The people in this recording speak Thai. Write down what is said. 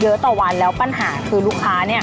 เยอะต่อวันแล้วปัญหาคือลูกค้า